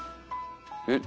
「えっ？